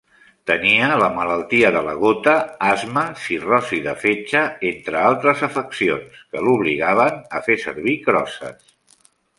Tenia la malaltia de la gota, asma, cirrosi de fetge, entre altres afeccions, que l'obligaven a fer servir crosses.